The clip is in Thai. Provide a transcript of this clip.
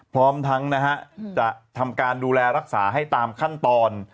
พร้อมทั้งนะฮะจะทำการดูแลรักษาให้ตามขั้นตอน